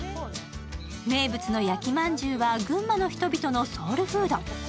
名物の焼きまんじゅうは群馬の人々のソウルフード。